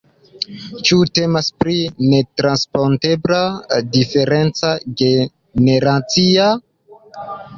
Ĉu temas pri netranspontebla diferenco generacia?